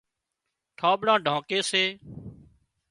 ڍانٻڙان ڍانڪي سي